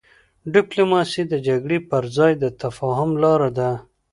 ډيپلوماسي د جګړې پر ځای د تفاهم لاره ده.